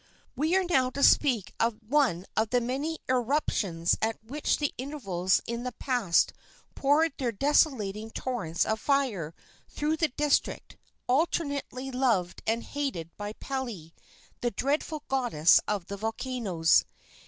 We are now about to speak of one of the many irruptions which at intervals in the past poured their desolating torrents of fire through the district, alternately loved and hated by Pele, the dreadful goddess of the volcanoes.